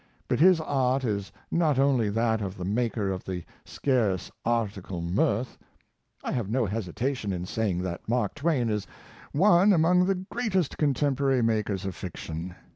But his art is not only that of the maker of the scarce article mirth. I have no hesitation in saying that Mark Twain is one among the greatest contemporary makers of fiction....